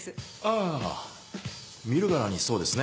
あ見るからにそうですね。